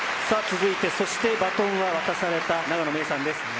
さあ、続いて、そして、バトンは渡された、永野芽郁さんです。